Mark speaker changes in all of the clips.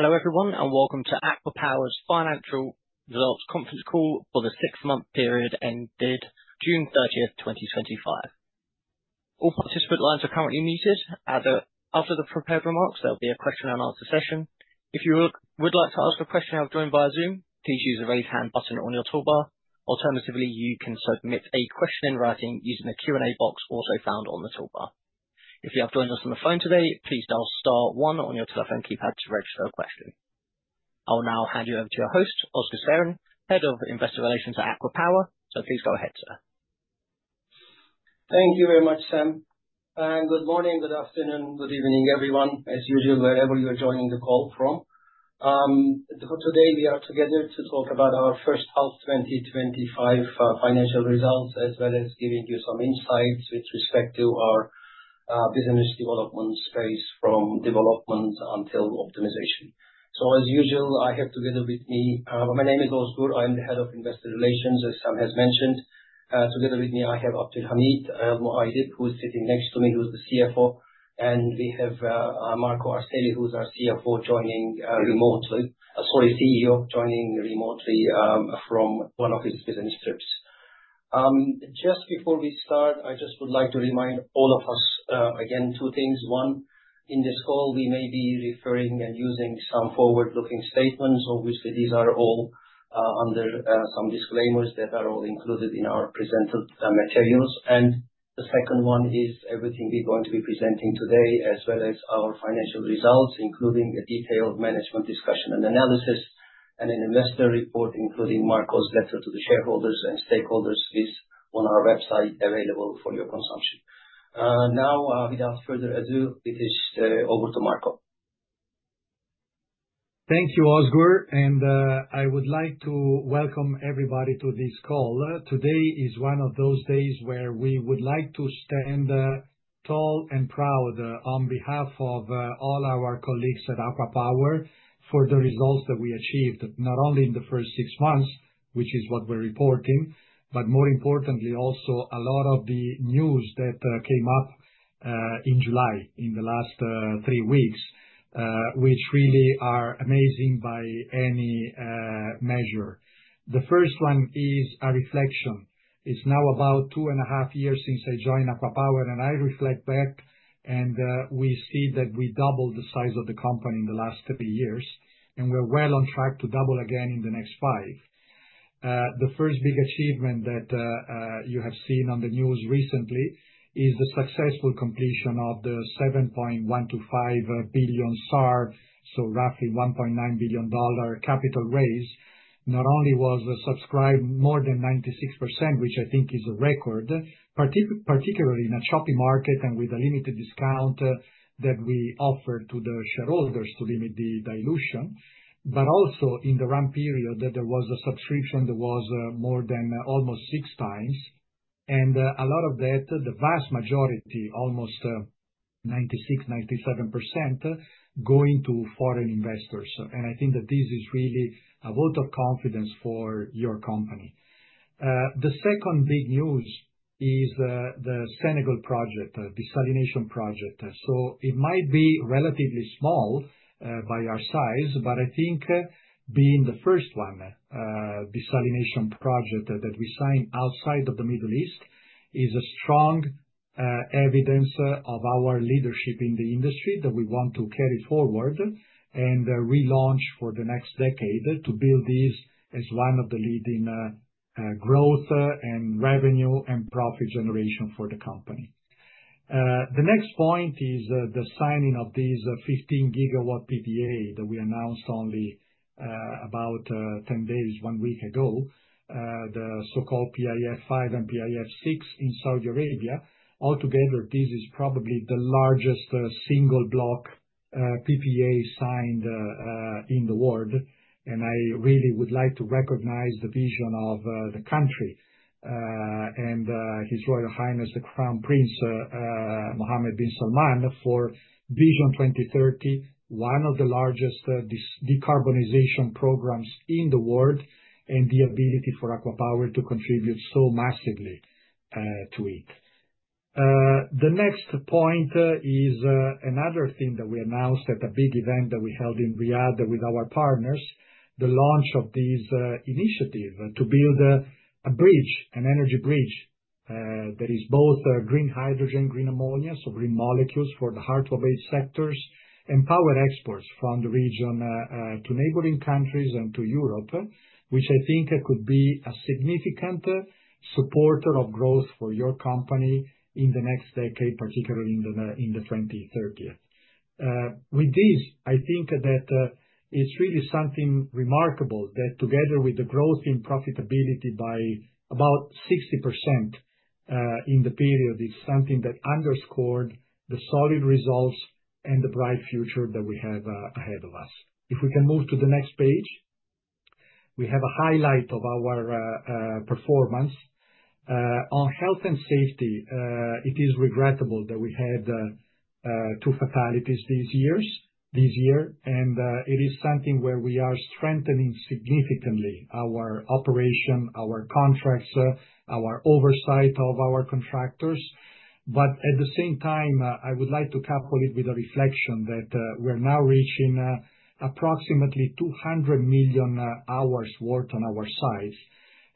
Speaker 1: Hello everyone, and welcome to ACWA Power's financial results conference call for the six-month period ended June 30th, 2025. All participant lines are currently muted. After the prepared remarks, there'll be a question-and-answer session. If you would like to ask a question and have joined via Zoom, please use the raise hand button on your toolbar. Alternatively, you can submit a question in writing using the Q&A box also found on the toolbar. If you have joined us on the phone today, please dial star one on your telephone keypad to register a question. I will now hand you over to your host, Ozgur Serin, Head of Investor Relations at ACWA Power. Please go ahead, sir.
Speaker 2: Thank you very much, Sam, and good morning, good afternoon, good evening, everyone, as usual, wherever you are joining the call from. Today we are together to talk about our first half 2025 financial results as well as giving you some insights with respect to our business development space from development until optimization. As usual, I have together with me. My name is Ozgur. I am the Head of Investor Relations, as Sam has mentioned. Together with me, I have Abdulhameed Al-Muhaidib who is sitting next to me, who is the CFO, and we have Marco Arcelli, who is our CEO, joining remotely from one of his business trips. Just before we start, I just would like to remind all of us again two things. One, in this call, we may be referring and using some forward-looking statements. Obviously, these are all under some disclaimers that are all included in our presented materials. The second one is everything we're going to be presenting today, as well as our financial results, including a detailed management discussion and analysis and an investor report, including Marco's letter to the shareholders and stakeholders is on our website available for your consumption. Without further ado, it is over to Marco.
Speaker 3: Thank you, Ozgur, and I would like to welcome everybody to this call. Today is one of those days where we would like to stand tall and proud on behalf of all our colleagues at ACWA Power for the results that we achieved, not only in the first six months, which is what we're reporting, but more importantly, also a lot of the news that came up in July, in the last three weeks, which really are amazing by any measure. The first one is a reflection. It's now about two and a half years since I joined ACWA Power, and I reflect back, and we see that we doubled the size of the company in the last three years, and we're well on track to double again in the next five. The first big achievement that you have seen on the news recently is the successful completion of the 7.125 billion SAR, so roughly $1.9 billion capital raise. It was subscribed more than 96%, which I think is a record, particularly in a choppy market and with a limited discount that we offered to the shareholders to limit the dilution, but also in the run period that there was a subscription that was more than almost six times. A lot of that, the vast majority, almost 96%, 97% going to foreign investors. I think that this is really a vote of confidence for your company. The second big news is the Senegal project, the desalination project. It might be relatively small by our size, but I think being the first desalination project that we signed outside of the Middle East is a strong evidence of our leadership in the industry that we want to carry forward and relaunch for the next decade to build this as one of the leading growth and revenue and profit generation for the company. The next point is the signing of these 15 GW PPA that we announced only about 10 days, one week ago, the so-called PIF V and PIF VI in Saudi Arabia. Altogether, this is probably the largest single block PPA signed in the world. I really would like to recognize the vision of the country, His Royal Highness, the Crown Prince, Mohammed bin Salman, for Vision 2030, one of the largest decarbonization programs in the world. The ability for ACWA Power to contribute so massively to it. The next point is another thing that we announced at a big event that we held in Riyadh with our partners, the launch of this initiative to build a bridge, an energy bridge, that is both green hydrogen, green ammonia, so green molecules for the hard-to-abate sectors, and power exports from the region to neighboring countries and to Europe, which I think could be a significant supporter of growth for your company in the next decade, particularly in the 2030s. With this, I think that it's really something remarkable that together with the growth in profitability by about 60% in the period, is something that underscored the solid results and the bright future that we have ahead of us. If we can move to the next page. We have a highlight of our performance. On health and safety, it is regrettable that we had two fatalities this year. It is something where we are strengthening significantly our operation, our contracts, our oversight of our contractors. At the same time, I would like to couple it with a reflection that we are now reaching approximately 200 million hours worked on our sites.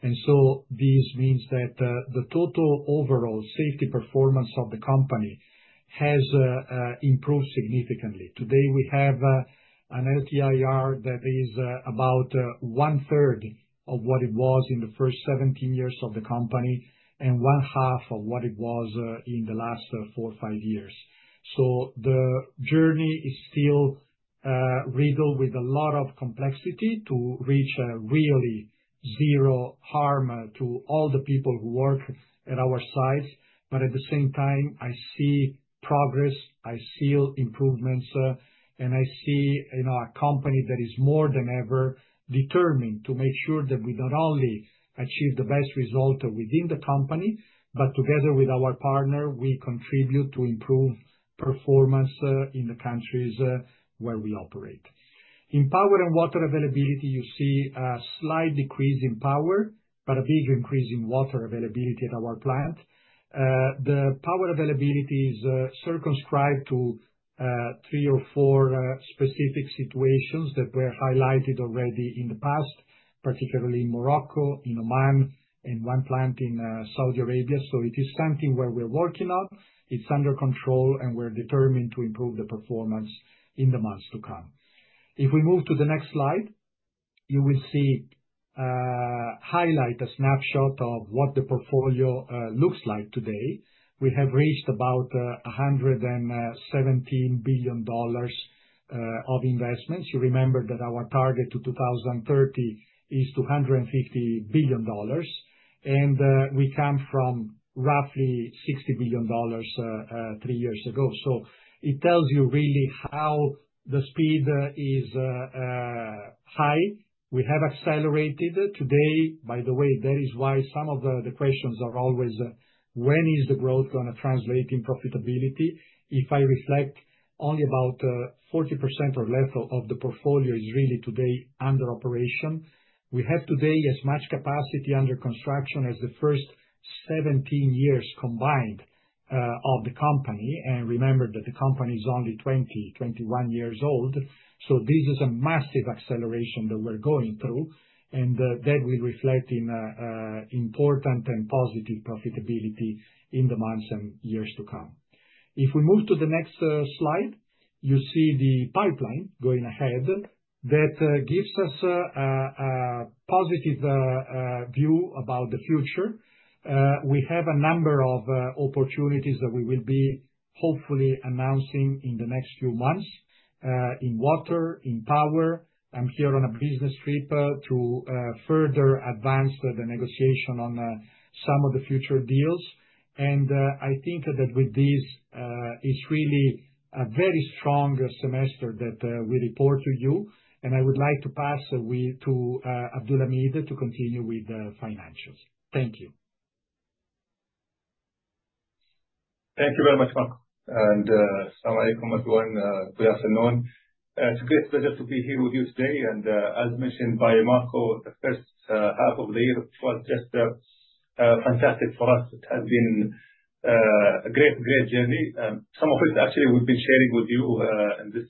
Speaker 3: This means that the total overall safety performance of the company has improved significantly. Today, we have an LTIR that is about one-third of what it was in the first 17 years of the company, and one half of what it was in the last four or five years. The journey is still riddled with a lot of complexity to reach really zero harm to all the people who work at our sites. At the same time, I see progress, I see improvements, and I see a company that is more than ever determined to make sure that we not only achieve the best result within the company, but together with our partner, we contribute to improve performance in the countries where we operate. In power and water availability, you see a slight decrease in power, but a big increase in water availability at our plant. The power availability is circumscribed to three or four specific situations that were highlighted already in the past, particularly in Morocco, in Oman, and one plant in Saudi Arabia. It is something where we're working on, it's under control, and we're determined to improve the performance in the months to come. If we move to the next slide, you will see a highlight, a snapshot of what the portfolio looks like today. We have reached about SAR 117 billion of investments. You remember that our target to 2030 is SAR 250 billion. We come from roughly SAR 60 billion three years ago. It tells you really how the speed is high. We have accelerated today. By the way, that is why some of the questions are always, when is the growth going to translate in profitability? If I reflect only about 40% or less of the portfolio is really today under operation. We have today as much capacity under construction as the first 17 years combined of the company. Remember that the company is only 20, 21 years old. This is a massive acceleration that we're going through, and that will reflect in important and positive profitability in the months and years to come. If we move to the next slide, you see the pipeline going ahead. That gives us a positive view about the future. We have a number of opportunities that we will be hopefully announcing in the next few months, in water, in power. I'm here on a business trip to further advance the negotiation on some of the future deals. I think that with this is really a very strong semester that we report to you. I would like to pass you to Abdulhamid to continue with the financials. Thank you.
Speaker 4: Thank you very much, Marco. Everyone. Good afternoon. It's a great pleasure to be here with you today. As mentioned by Marco, the first half of the year was just fantastic for us. It has been a great journey. Some of it actually we've been sharing with you in this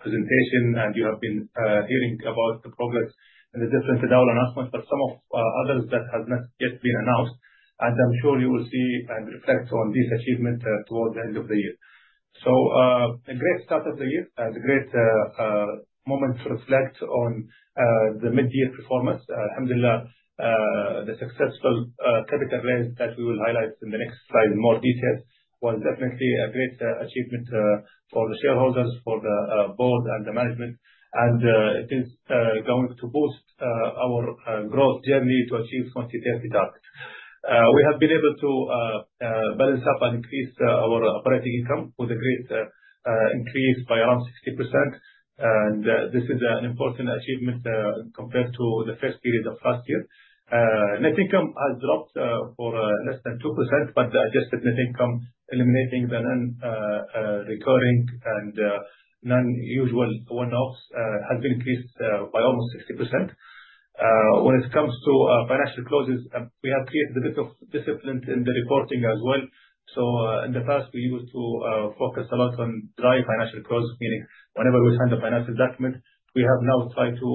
Speaker 4: presentation. You have been hearing about the progress in the different announcement, but some of others that has not yet been announced. I'm sure you will see and reflect on this achievement towards the end of the year. A great start of the year. A great moment to reflect on the mid-year performance. Alhamdulillah, the successful capital raise that we will highlight in the next slide in more details was definitely a great achievement for the shareholders, for the board, and the management, and it is going to boost our growth journey to achieve 2030 target. We have been able to balance up and increase our operating income with a great increase by around 60%. This is an important achievement compared to the first period of last year. Net income has dropped for less than 2%, but adjusted net income, eliminating the non-recurring and non-usual one-offs has been increased by almost 60%. When it comes to financial closes, we have created a bit of discipline in the reporting as well. In the past, we used to focus a lot on dry financial close, meaning whenever we sign the financial document. We have now tried to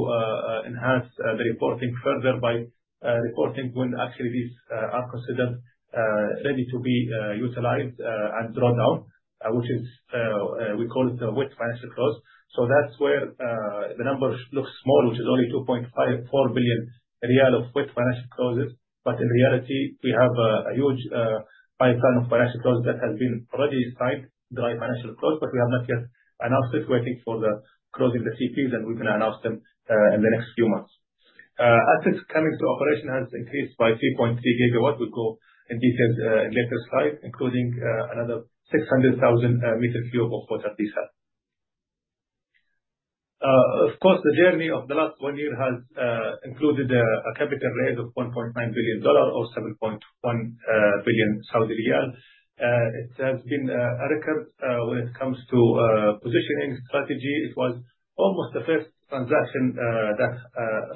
Speaker 4: enhance the reporting further by reporting when actually these are considered ready to be utilized and drawn down, which is we call it wet financial close. That's where the number looks small, which is only SAR 2.54 billion of wet financial closes. In reality, we have a huge pipeline of financial close that has been already signed, dry financial close, but we have not yet announced it waiting for the close in the CPs. We're going to announce them in the next few months. Assets coming to operation has increased by 3.3 GW. We'll go in details in later slide, including another 600,000 meter cube of water desal. Of course, the journey of the last one year has included a capital raise of $1.9 billion or 7.1 billion Saudi riyal. It has been a record when it comes to positioning strategy. It was almost the first transaction that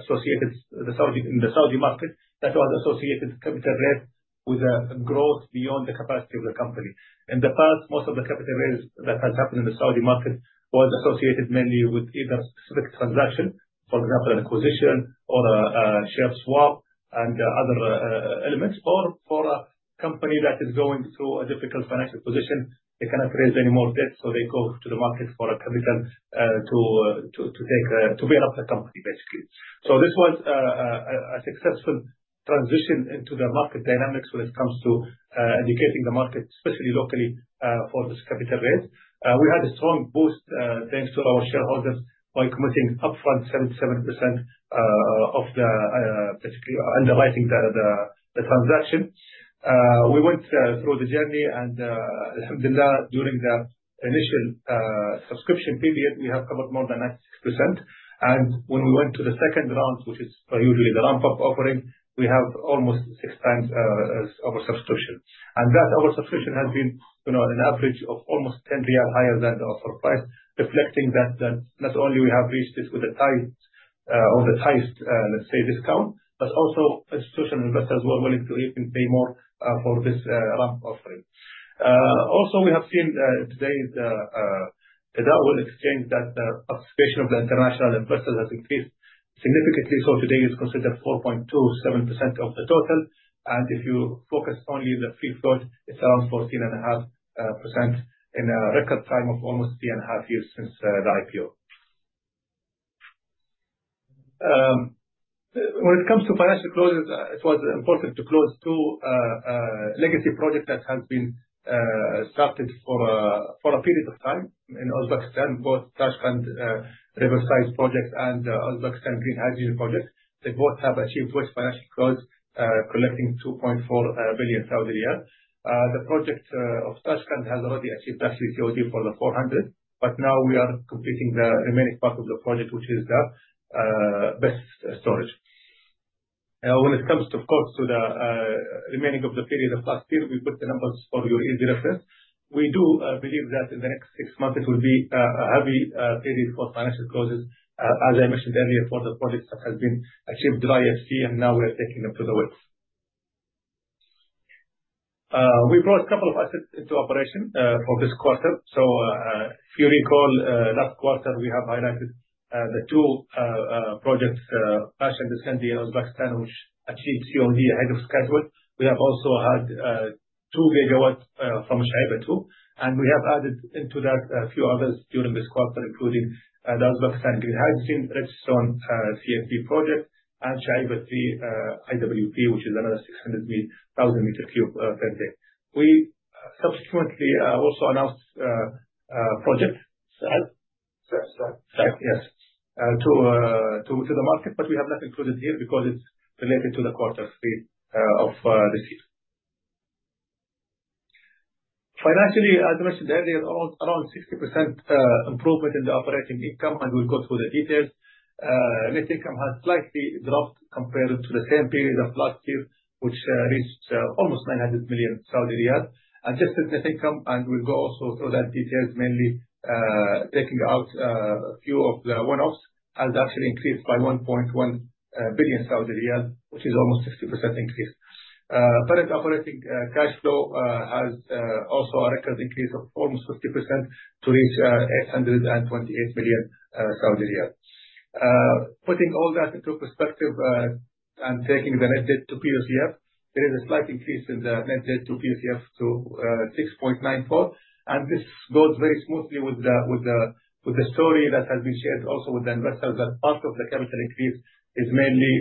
Speaker 4: associated in the Saudi market that was associated capital raise with a growth beyond the capacity of the company. In the past, most of the capital raise that has happened in the Saudi market was associated mainly with either specific transaction, for example, an acquisition or a share swap and other elements, or for a company that is going through a difficult financial position. They cannot raise any more debt, they go to the market for a commitment to build up the company, basically. This was a successful transition into the market dynamics when it comes to educating the market, especially locally, for this capital raise. We had a strong boost thanks to our shareholders by committing upfront 77% basically underwriting the transaction. We went through the journey, Alhamdulillah, during the initial subscription period, we have covered more than 96%. When we went to the second round, which is usually the ramp-up offering, we have almost six times our subscription. That oversubscription has been an average of almost SAR 10 higher than the offer price, reflecting that not only we have reached this with the tight or the tightest, let's say, discount, but also institutional investors were willing to even pay more for this ramp-up offering. We have seen today the Tadawul exchange that the participation of the international investors has increased significantly. Today it's considered 4.27% of the total. If you focus only on the free float, it's around 14.5% in a record time of almost three and a half years since the IPO. When it comes to financial closes, it was important to close two legacy projects that has been started for a period of time in Uzbekistan, both Tashkent Riverside project and Uzbekistan Green Hydrogen project. They both have achieved first financial close, collecting 2.4 billion Saudi riyal. The project of Tashkent has already achieved actually COD for the 400, but now we are completing the remaining part of the project, which is the battery storage. When it comes, of course, to the remaining of the period of last year, we put the numbers for your easy reference. We do believe that in the next six months it will be a heavy period for financial closes. As I mentioned earlier, for the projects that has been achieved by IFC, we are taking them to the bids. We brought a couple of assets into operation for this quarter. If you recall, last quarter we have highlighted the two projects, Bash and Dzhankeldy in Uzbekistan, which achieved COD ahead of schedule. We have also had 2 GW from Shuaibah 2, we have added into that a few others during this quarter, including the Uzbekistan Green Hydrogen, Registan CSP project, and Shuaibah 3 IWP, which is another 600,000 meter cube per day. We subsequently also announced project Saad?
Speaker 2: Saad.
Speaker 4: Saad, yes, to the market, but we have not included here because it's related to the quarter three of this year. Financially, as mentioned earlier, around 60% improvement in the operating income. We'll go through the details. Net income has slightly dropped compared to the same period of last year, which reached almost 900 million Saudi riyal. Adjusted net income, we'll go also through that details, mainly taking out a few of the one-offs, has actually increased by 1.1 billion Saudi riyal, which is almost 60% increase. Parent Operating Cash Flow has also a record increase of almost 50% to reach 828 million Saudi riyal. Putting all that into perspective and taking the net debt to POCF, there is a slight increase in the net debt to POCF to 6.94. This goes very smoothly with the story that has been shared also with the investors, that part of the capital increase is mainly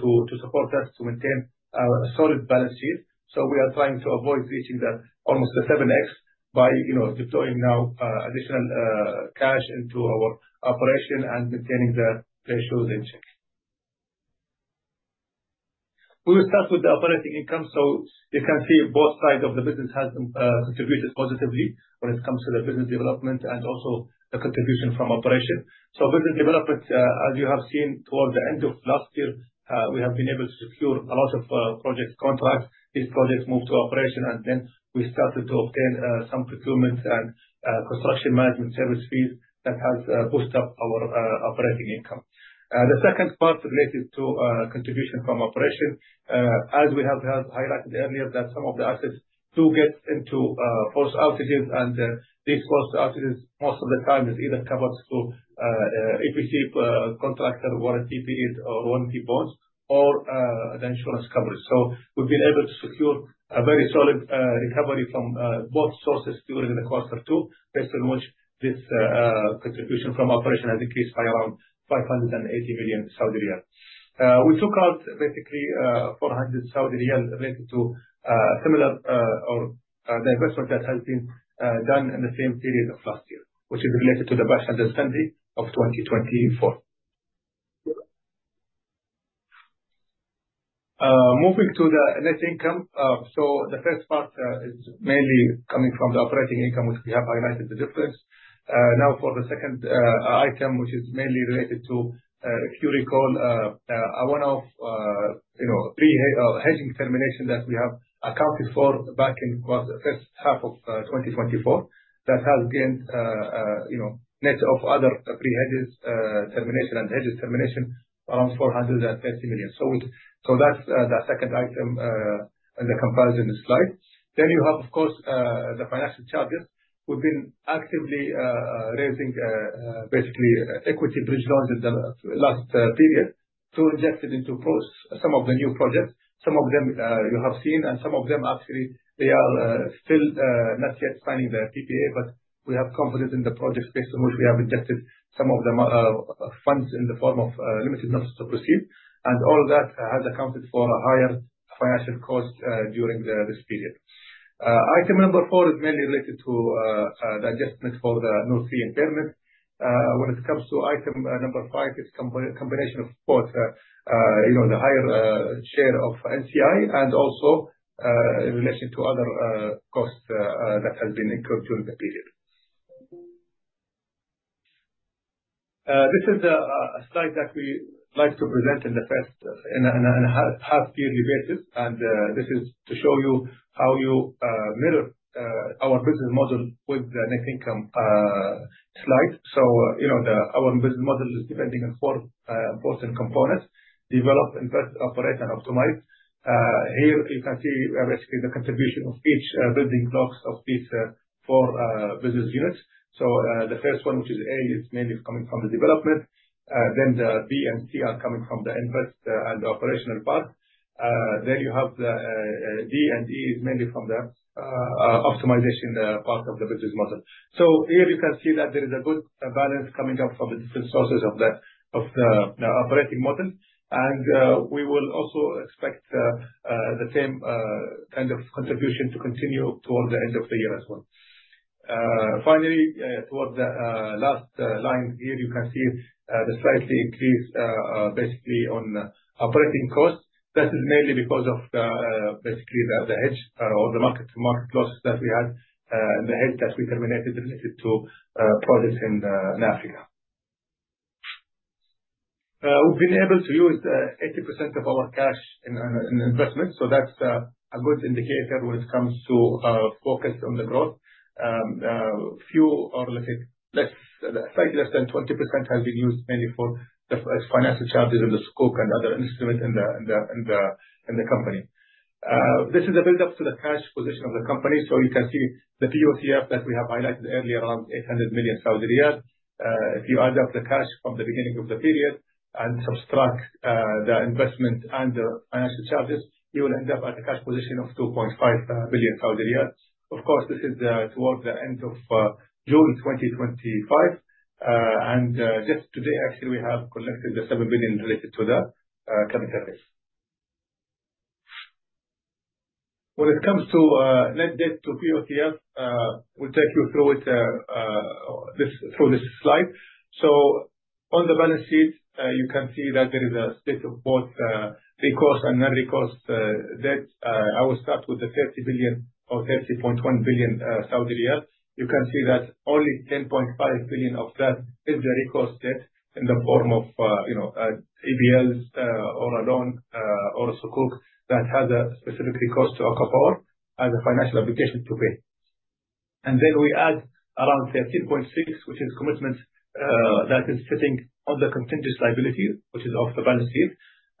Speaker 4: to support us to maintain a solid balance sheet. We are trying to avoid reaching that almost the 7x by deploying now additional cash into our operation and maintaining the ratios in check. We will start with the operating income. You can see both sides of the business has contributed positively when it comes to the business development and also the contribution from operation. Business development, as you have seen towards the end of last year, we have been able to secure a lot of project contracts. These projects moved to operation, and then we started to obtain some procurements and construction management service fees that has pushed up our operating income. The second part related to contribution from operation, as we have highlighted earlier, that some of the assets do get into force majeure, and these force majeure, most of the time, is either covered through EPC contractor warranty periods or warranty bonds or the insurance coverage. We've been able to secure a very solid recovery from both sources during the quarter 2, based on which this contribution from operation has decreased by around 580 million Saudi riyal. We took out basically 400 Saudi riyal related to similar or the investment that has been done in the same period of last year, which is related to the Bash and Dzhankeldy of 2024. Moving to the net income. The first part is mainly coming from the operating income, which we have highlighted the difference. For the second item, which is mainly related to, if you recall, a one-off pre-hedging termination that we have accounted for back in the first half of 2024. That has gained net of other pre-hedges termination and hedge termination around 430 million. That's the second item in the comparison slide. You have, of course, the financial charges. We've been actively raising basically equity bridge loans in the last period. To inject it into some of the new projects. Some of them you have seen, and some of them actually they are still not yet signing the PPA, but we have confidence in the project based on which we have injected some of the funds in the form of limited notice to proceed, and all that has accounted for higher financial cost during this period. Item number 4 is mainly related to the adjustments for the North Sea impairment. When it comes to Item number 5, it's combination of both the higher share of NCI and also in relation to other costs that has been incurred during the period. This is a slide that we like to present in a half-yearly basis, and this is to show you how you mirror our business model with the net income slide. Our business model is depending on four important components: develop, invest, operate, and optimize. Here you can see basically the contribution of each building blocks of these four business units. The first one, which is A, it's mainly coming from the development. The B and C are coming from the invest and operational part. You have the D and E, is mainly from the optimization part of the business model. Here you can see that there is a good balance coming up from the different sources of the operating model. We will also expect the same kind of contribution to continue towards the end of the year as well. Finally, towards the last line here, you can see the slight increase on operating costs. That is mainly because of the hedge or the market losses that we had and the hedge that we terminated related to projects in the MENA area. We've been able to use 80% of our cash in investment, so that's a good indicator when it comes to our focus on the growth. Slightly less than 20% has been used mainly for the financial charges and the Sukuk and other instruments in the company. This is a build-up to the cash position of the company. You can see the POCF that we have highlighted earlier, around 800 million Saudi riyal. If you add up the cash from the beginning of the period and subtract the investment and the financial charges, you will end up at a cash position of 2.5 billion Saudi riyals. Of course, this is towards the end of June 2025. Just today, actually, we have collected 7 billion related to the capital base. When it comes to net debt to POCF, we take you through this slide. On the balance sheet, you can see that there is a state of both recourse and non-recourse debt. I will start with 30 billion or 30.1 billion Saudi riyal. You can see that only 10.5 billion of that is the recourse debt in the form of EBL or a loan or a Sukuk that has a specific recourse to ACWA Power as a financial obligation to pay. Then we add around 13.6, which is commitments that is sitting on the contingent liability, which is off the balance sheet.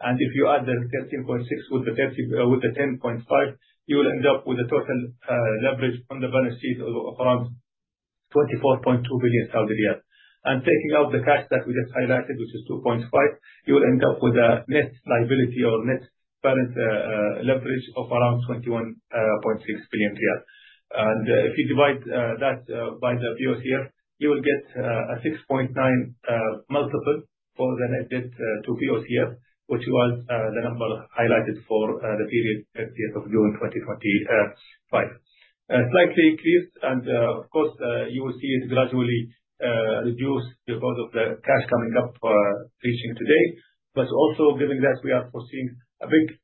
Speaker 4: If you add the 13.6 with the 10.5, you will end up with a total leverage on the balance sheet of around 24.2 billion Saudi riyal. Taking out the cash that we just highlighted, which is 2.5, you'll end up with a net liability or net balance leverage of around 21.6 billion riyal. If you divide that by the POCF, you will get a 6.9x multiple for the net debt to POCF, which was the number highlighted for the period as of June 2025. Of course, you will see it gradually reduce because of the cash coming up reaching today. Also given that we are foreseeing a big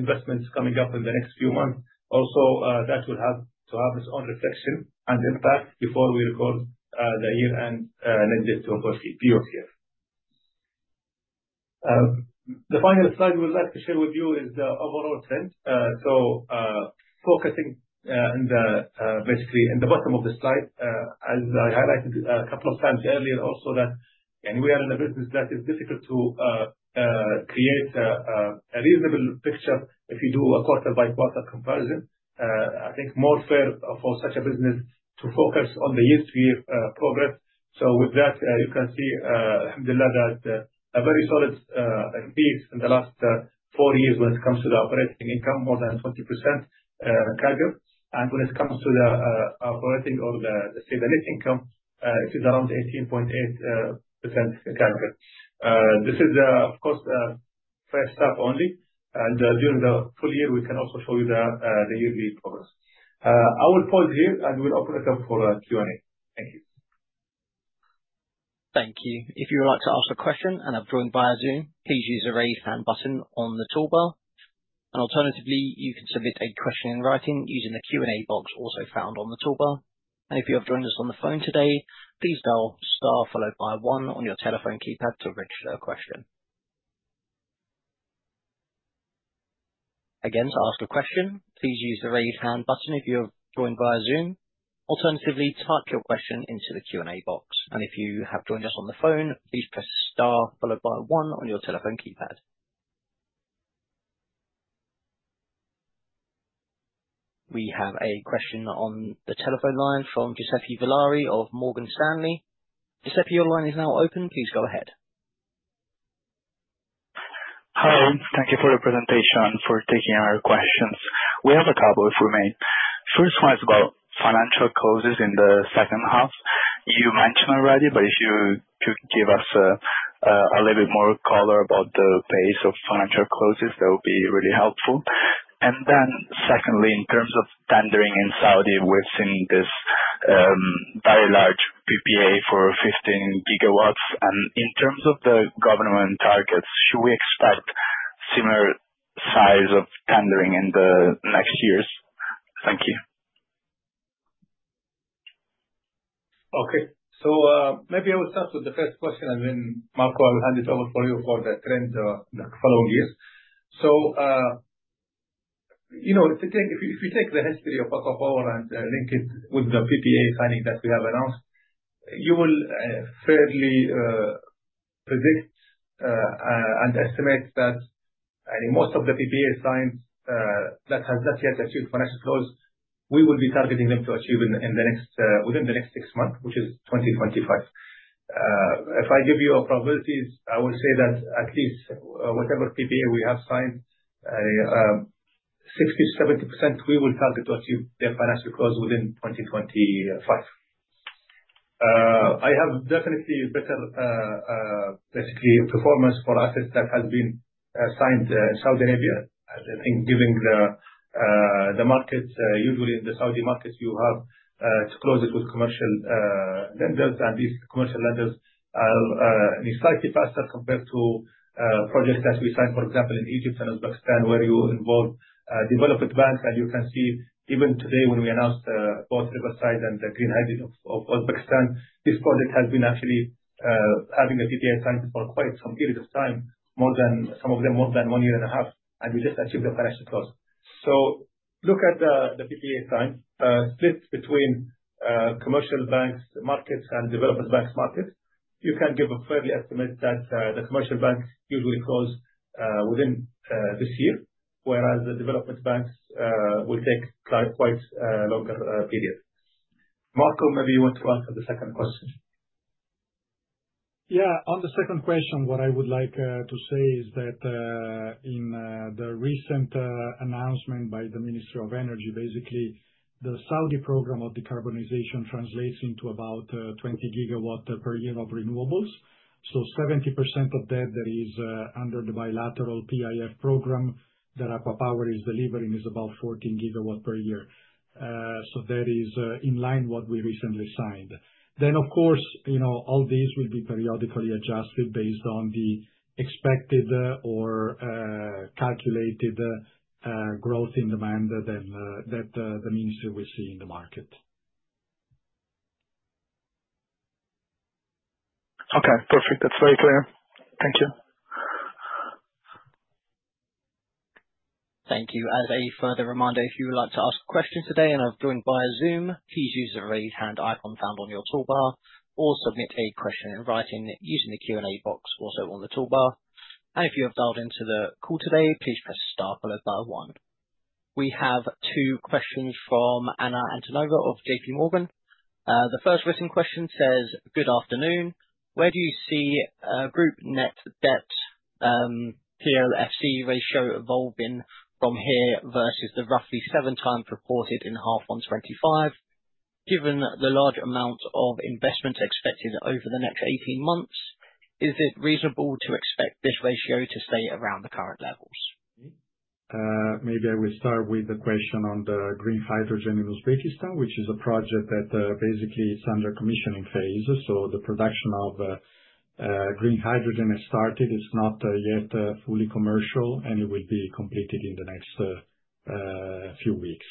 Speaker 4: investment coming up in the next few months also, that will have to have its own reflection and impact before we record the year-end net debt to, of course, POCF. The final slide we would like to share with you is the overall trend. Focusing in the bottom of the slide, as I highlighted a couple of times earlier also that we are in a business that is difficult to create a reasonable picture if you do a quarter-by-quarter comparison. I think more fair for such a business to focus on the year-to-year progress. With that, you can see, Alhamdulillah, that a very solid increase in the last four years when it comes to the operating income, more than 20% CAGR. When it comes to the operating or the stable net income, it is around 18.8% CAGR. This is, of course, first half only. During the full year, we can also show you the year view progress. I will pause here, and we will open the floor for Q&A. Thank you.
Speaker 1: Thank you. If you would like to ask a question and have joined via Zoom, please use the raise hand button on the toolbar. Alternatively, you can submit a question in writing using the Q&A box also found on the toolbar. If you have joined us on the phone today, please dial star followed by one on your telephone keypad to register a question. Again, to ask a question, please use the raise hand button if you have joined via Zoom. Alternatively, type your question into the Q&A box. If you have joined us on the phone, please press star followed by one on your telephone keypad. We have a question on the telephone line from Giuseppe Villari of Morgan Stanley. Giuseppe, your line is now open. Please go ahead.
Speaker 5: Hello. Thank you for your presentation, for taking our questions. We have a couple, if we may. First one is about financial closes in the second half. You mentioned already, but if you could give us a little bit more color about the pace of financial closes, that would be really helpful. Secondly, in terms of tendering in Saudi, we are seeing this very large PPA for 15 GW. In terms of the government targets, should we expect similar size of tendering in the next years? Thank you.
Speaker 4: Okay. Maybe I will start with the first question, then Marco, I will hand it over for you for the trend the following years. If you take the history of ACWA Power and link it with the PPA signing that we have announced, you will fairly predict and estimate that most of the PPA signed that has not yet achieved financial close, we will be targeting them to achieve within the next six months, which is 2025. If I give you probabilities, I will say that at least whatever PPA we have signed, 60%-70% we will target to achieve their financial close within 2025. I have definitely better, basically, performance for assets that has been signed in Saudi Arabia. I think given the market, usually in the Saudi markets you have to close it with commercial lenders, and these commercial lenders are slightly faster compared to projects that we signed, for example, in Egypt and Uzbekistan where you involve development banks. You can see even today when we announced both Riverside and the Green Hydrogen of Uzbekistan, this project has been actually having a PPA signed for quite some period of time, some of them more than one year and a half, and we just achieved the financial close. Look at the PPA signed, split between commercial banks markets and developers banks markets. You can give a fairly estimate that the commercial banks usually close within this year, whereas the development banks will take quite a longer period. Marco, maybe you want to answer the second question.
Speaker 3: Yeah. On the second question, what I would like to say is that, in the recent announcement by the Ministry of Energy, basically, the Saudi program of decarbonization translates into about 20 GW per year of renewables. Seventy percent of that is under the bilateral PIF program that ACWA Power is delivering is about 14 GW per year. That is in line what we recently signed. Of course, all these will be periodically adjusted based on the expected or calculated growth in demand that the minister will see in the market.
Speaker 5: Okay, perfect. That's very clear. Thank you.
Speaker 1: Thank you. As a further reminder, if you would like to ask a question today and are joined via Zoom, please use the raise hand icon found on your toolbar or submit a question in writing using the Q&A box also on the toolbar. If you have dialed into the call today, please press star followed by one. We have two questions from Anna Antonova of JP Morgan. The first written question says, good afternoon. Where do you see group net debt, POCF ratio evolving from here versus the roughly seven times reported in half 1 2025? Given the large amount of investment expected over the next 18 months, is it reasonable to expect this ratio to stay around the current levels?
Speaker 3: Maybe I will start with the question on the green hydrogen in Uzbekistan, which is a project that basically is under commissioning phase. The production of green hydrogen has started. It's not yet fully commercial, and it will be completed in the next few weeks.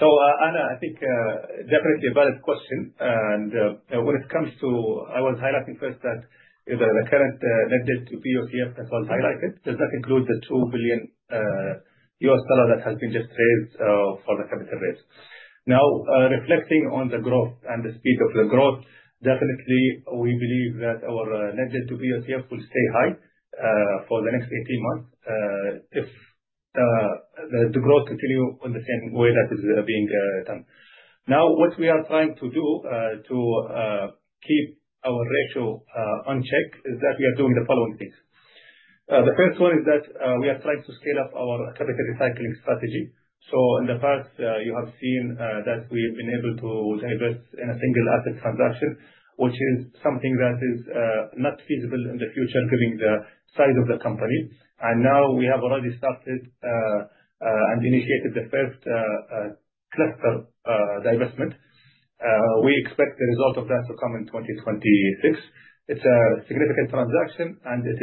Speaker 4: Anna, I think, definitely a valid question. When it comes to I was highlighting first that the current net debt to POCF as well highlighted, does that include the $2 billion that has been just raised for the capital raise? Reflecting on the growth and the speed of the growth, definitely, we believe that our net debt to POCF will stay high for the next 18 months, if the growth continue on the same way that is being done. What we are trying to do to keep our ratio on check is that we are doing the following things. The first one is that, we are trying to scale up our capital recycling strategy. In the past, you have seen that we have been able to divest in a single asset transaction, which is something that is not feasible in the future given the size of the company. Now we have already started and initiated the first cluster divestment. We expect the result of that to come in 2026. It's a significant transaction, and it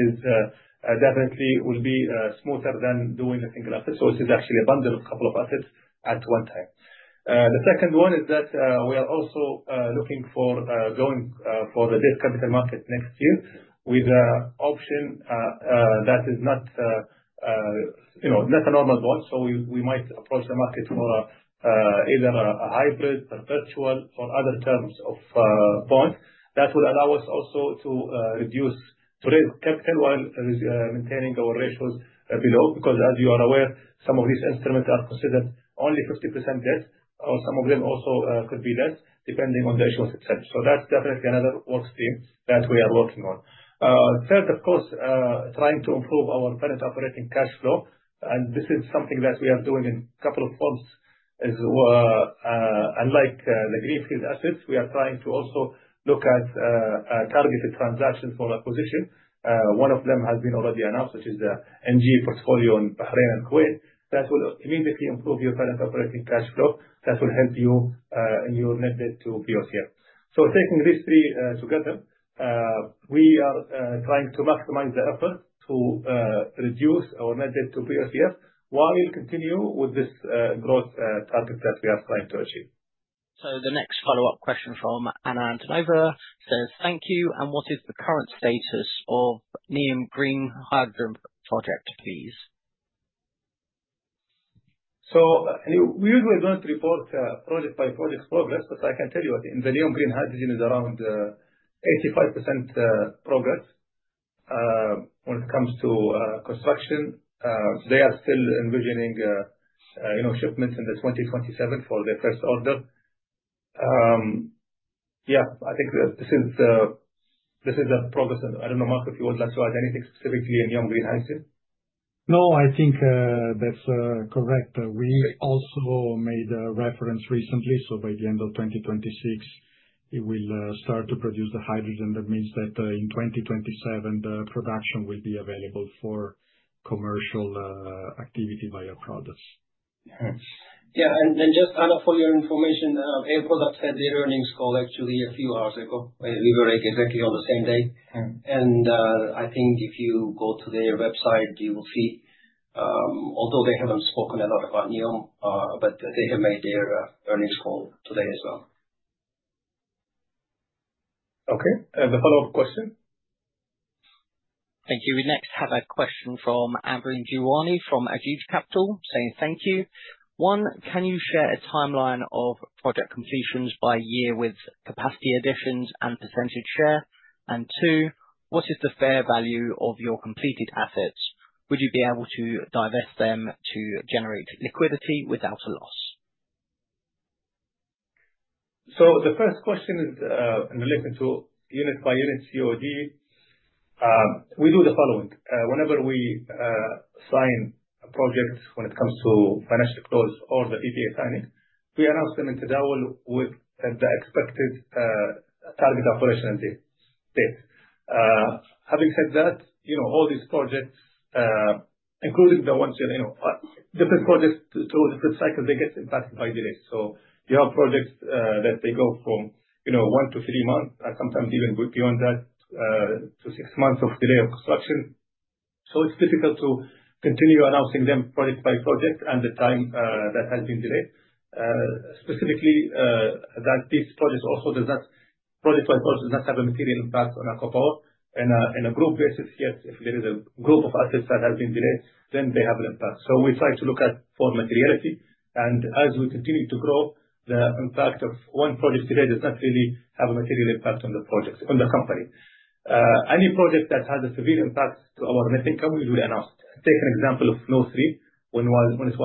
Speaker 4: definitely will be smoother than doing a single asset. It is actually a bundle of couple of assets at one time. The second one is that, we are also looking for going for the debt capital market next year with an option that is not a normal bond. We might approach the market for either a hybrid, perpetual or other terms of bond that will allow us also to raise capital while maintaining our ratios below. As you are aware, some of these instruments are considered only 50% debt, or some of them also could be less depending on the ratios, et cetera. That's definitely another work stream that we are working on. Third of course, trying to improve our current operating cash flow, and this is something that we are doing in couple of fronts. As well, unlike the greenfield assets, we are trying to also look at targeted transactions for acquisition. One of them has been already announced, which is the ENGIE portfolio in Bahrain and Kuwait. That will immediately improve your current operating cash flow. That will help you in your net debt to POCF. Taking these three together, we are trying to maximize the effort to reduce our net debt to POCF while we continue with this growth target that we are trying to achieve.
Speaker 1: The next follow-up question from Anna Antonova says, "Thank you. What is the current status of NEOM Green Hydrogen project, please?
Speaker 4: We usually don't report project by project progress. I can tell you, the NEOM Green Hydrogen is around 85% progress when it comes to construction. They are still envisioning shipments in 2027 for their first order. Yeah, I think this is the progress. I don't know, Marco, if you would like to add anything specifically in NEOM Green Hydrogen.
Speaker 3: No, I think that's correct. We also made a reference recently. By the end of 2026, it will start to produce the hydrogen. That means that in 2027, the production will be available for commercial activity by ACWA Power.
Speaker 4: Yeah. Just, Anna, for your information, ACWA Power had their earnings call actually a few hours ago. We were exactly on the same day. If you go to their website, you will see. Although they haven't spoken a lot about NEOM, but they have made their earnings call today as well.
Speaker 2: Okay. Any follow-up question?
Speaker 1: Thank you. We next have a question from Avin Jiwani from Al-Rajhi Capital saying, "Thank you. One, can you share a timeline of project completions by year with capacity additions and % share? Two, what is the fair value of your completed assets? Would you be able to divest them to generate liquidity without a loss?
Speaker 4: The first question is in relation to unit-by-unit COD. We do the following. Whenever we sign a project when it comes to financial close or the PPA signing, we announce them on Tadawul with the expected target operation date. Having said that, all these projects, including the ones in different projects to different cycles, they get impacted by delays. You have projects that they go from one to three months, sometimes even beyond that to six months of delay of construction. It's difficult to continue announcing them project by project and the time that has been delayed. Specifically, that these projects also does not project by project have a material impact on ACWA Power in a group basis. Yet if there is a group of assets that have been delayed, then they have an impact. We try to look at for materiality. As we continue to grow, the impact of one project today does not really have a material impact on the projects, on the company. Any project that has a severe impact to our net income will be announced. Take an example of Noor 3, when it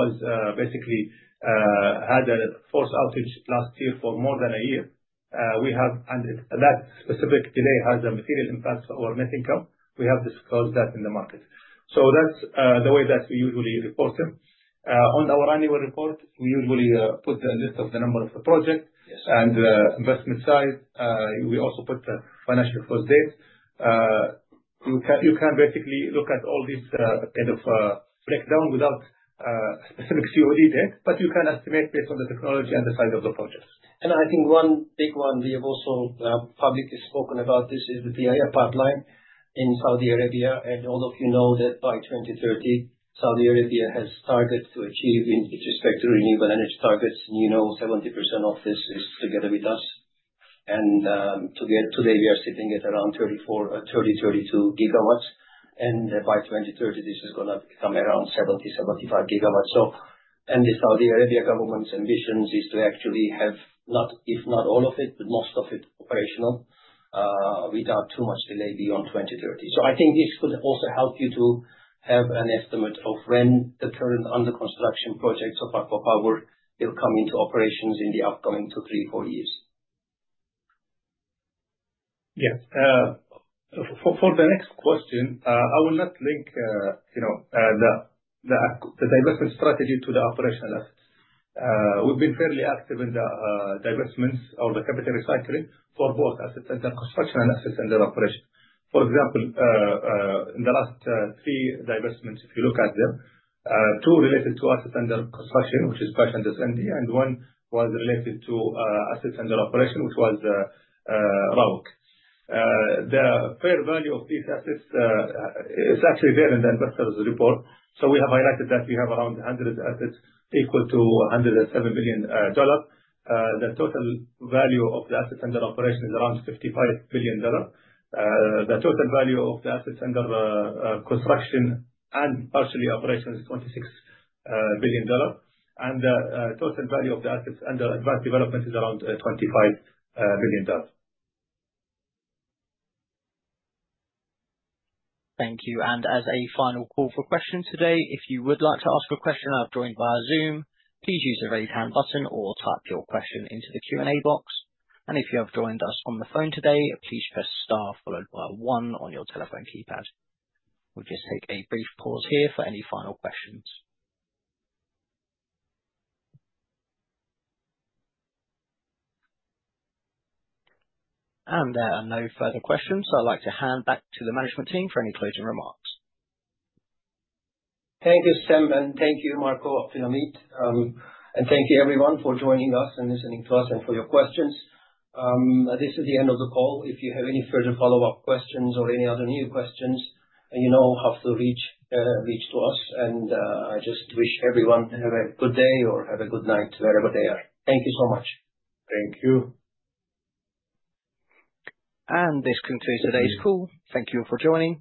Speaker 4: basically had a false outage last year for more than a year. That specific delay has a material impact to our net income. We have disclosed that in the market. That's the way that we usually report them. On our annual report, we usually put a list of the number of the project-
Speaker 2: Yes.
Speaker 4: The investment size. We also put the financial close date. You can basically look at all this kind of breakdown without specific COD date. You can estimate based on the technology and the size of the project.
Speaker 2: I think one big one we have also publicly spoken about this is the PIF pipeline in Saudi Arabia. All of you know that by 2030, Saudi Arabia has target to achieve in respect to renewable energy targets. You know 70% of this is together with us. Today, we are sitting at around 34, 30, 32 GW. By 2030, this is going to come around 70, 75 GW. The Saudi Arabia government's ambitions is to actually have, if not all of it, but most of it operational, without too much delay beyond 2030. I think this could also help you to have an estimate of when the current under-construction projects of ACWA Power will come into operations in the upcoming two, three, four years.
Speaker 4: Yes. For the next question, I will not link the divestment strategy to the operational assets. We've been fairly active in the divestments or the capital recycling for both assets under construction and assets under operation. For example, in the last three divestments, if you look at them, two related to assets under construction, which is Bash and one was related to assets under operation, which was Rauwuk. The fair value of these assets is actually there in the investor's report. We have highlighted that we have around 100 assets equal to SAR 107 billion. The total value of the assets under operation is around SAR 55 billion. The total value of the assets under construction and partially operation is SAR 26 billion. The total value of the assets under advanced development is around SAR 25 billion.
Speaker 1: Thank you. As a final call for questions today, if you would like to ask a question and have joined via Zoom, please use the raise hand button or type your question into the Q&A box. If you have joined us on the phone today, please press star followed by one on your telephone keypad. We'll just take a brief pause here for any final questions. There are no further questions, so I'd like to hand back to the management team for any closing remarks.
Speaker 4: Thank you, Sam, and thank you, Marco, for the meet. Thank you everyone for joining us and listening to us and for your questions. This is the end of the call. If you have any further follow-up questions or any other new questions, you know how to reach to us. I just wish everyone have a good day or have a good night wherever they are. Thank you so much.
Speaker 2: Thank you.
Speaker 1: This concludes today's call. Thank you for joining.